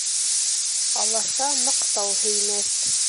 Алаша маҡтау һөймәҫ.